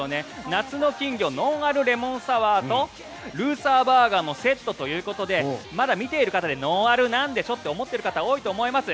夏の金魚ノンアルレモンサワーとルーサーバーガーのセットということでまだ見ている方でノンアルなんでしょと思っている方多いと思います。